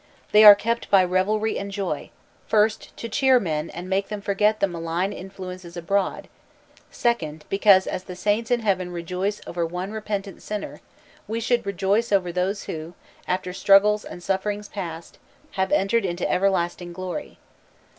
They are kept by revelry and joy: first, to cheer men and make them forget the malign influences abroad; second, because as the saints in heaven rejoice over one repentant sinner, we should rejoice over those who, after struggles and sufferings past, have entered into everlasting glory.